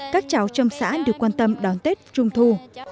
các cháu trong xã được quan tâm đón tết trung thu